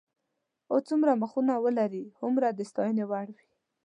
او څومره مخونه ولري هومره د ستاینې وړ وي.